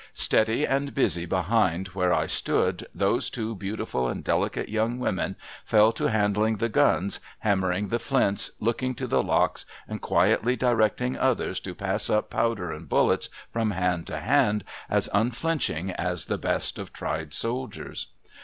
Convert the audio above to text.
Steady and busy behind where I stood, those two beautiful and delicate young women fell to handling the guns, hammering the flints, looking to the locks, and quietly directing others to pass up powder and bullets from hand to hand, as unflinching as the best of tried soldiers.